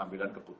artinya resep ini